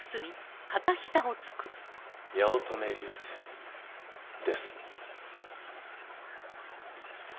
八乙女流星デス。